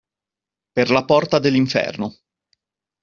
Per la porta dell'inferno.